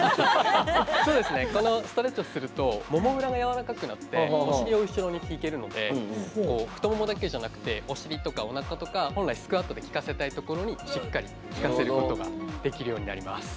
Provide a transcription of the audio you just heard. このストレッチをすると、ももがやわらかくなってお尻を後ろに引けるので太ももだけじゃなくてお尻とかおなかとかスクワットできかせたいところにしっかりきかせることができるようになります。